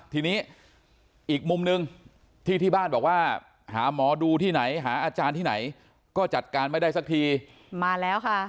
ทีนี้อีกมุมหนึ่งที่ที่บ้านบอกว่าหาหมอดูที่ไหนหาอาจารย์ที่ไหนก็จัดการไม่ได้สักทีมาแล้วค่ะ